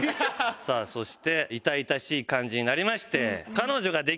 さあそして痛々しい感じになりまして。